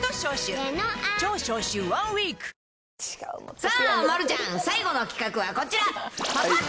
さあ、丸ちゃん、最後の企画はこちら。